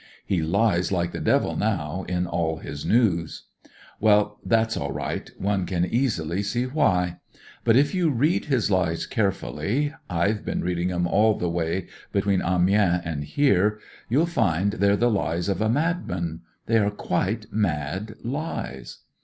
He lies like the devil now in all his news. Well, that's all right ; one can easily see why. But if you read his lies carefully — ^I've been reading 'em all the way between Amiens m2 168 A COOL CANADIAN and here— you*Il find they're the lies of a madman ; they are quite mad lies.